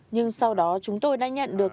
nhưng sau đó chúng tôi đã nhận được